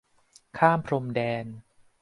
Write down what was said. ข้ามพรมแดน